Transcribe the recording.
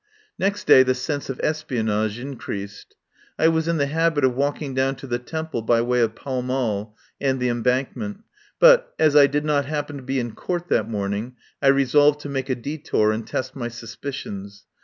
Next day the sense of espionage increased. I was in the habit of walking down to the Temple by way of Pall Mall and the Em bankment, but, as I did not happen to be in Court that morning, I resolved to make a detour and test my suspicions.